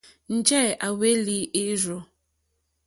Njɛ̂ à hwélí èrzù.